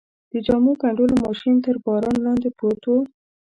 د جامو ګنډلو ماشین تر باران لاندې پروت و.